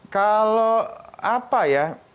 kalau apa ya